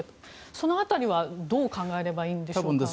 その辺りはどう考えればいいんでしょうか。